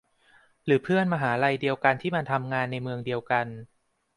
หรือเพื่อนมหาลัยเดียวกันที่มาทำงานในเมืองเดียวกัน